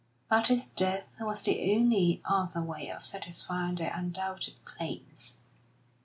But his death was the only other way of satisfying her undoubted claims.